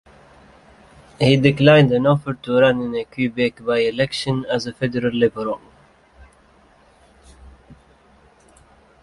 He declined an offer to run in a Quebec by-election as a federal Liberal.